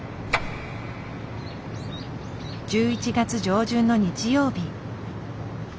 １１月上旬の日曜日。